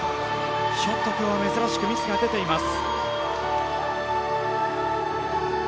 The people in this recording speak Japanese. ちょっと今日は珍しくミスが出ています。